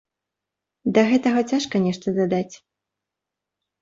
Да гэтага цяжка нешта дадаць.